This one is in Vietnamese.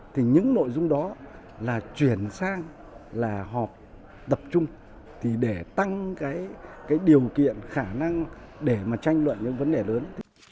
thì những nội dung đó là chuyển sang là họp tập trung thì để tăng cái điều kiện khả năng để mà tranh luận những vấn đề lớn